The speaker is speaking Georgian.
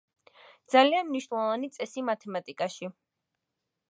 ძალიან მნიშვნელოვანი წესი მათემატიკაში.